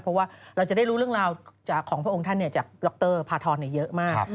เพราะว่าเราจะได้รู้เรื่องราวจากของพระองค์ท่านจากดรพาทรเยอะมาก